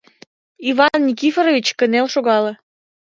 — Иван Никифорович кынел шогале.